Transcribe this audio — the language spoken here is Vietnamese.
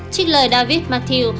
trích lời david mathieu